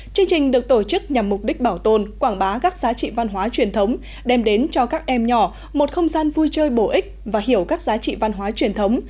chương trình được tổ chức nhằm mục đích bảo tồn quảng bá các giá trị văn hóa truyền thống đem đến cho các em nhỏ một không gian vui chơi bổ ích và hiểu các giá trị văn hóa truyền thống